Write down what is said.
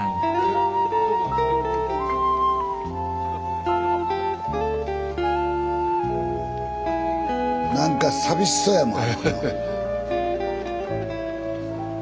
スタジオ何か寂しそうやもん。